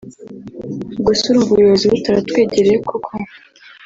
ubwo se urumva ubuyobozi butaratwegereye koko”